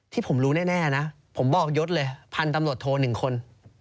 ที่ผมรู้แน่นะผมบอกยดเลยพันธุ์ตำรวจโท๑คน